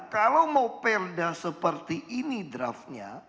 kalau mau perda seperti ini draftnya